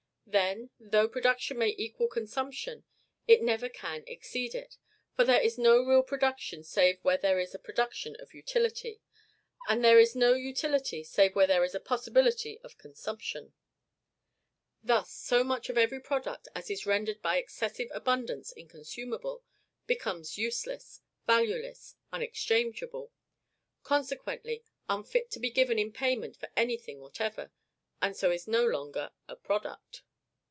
Then, though production may equal consumption, it never can exceed it; for there is no real production save where there is a production of utility, and there is no utility save where there is a possibility of consumption. Thus, so much of every product as is rendered by excessive abundance inconsumable, becomes useless, valueless, unexchangeable, consequently, unfit to be given in payment for any thing whatever, and is no longer a product.